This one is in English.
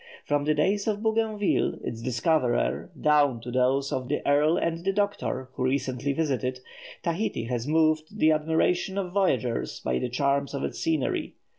From the days of Bougainville, its discoverer, down to those of "the Earl and the Doctor," who recently visited it, Tahiti has moved the admiration of voyagers by the charms of its scenery.